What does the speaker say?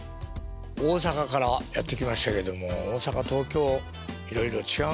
大阪からやって来ましたけども大阪東京いろいろ違うんですね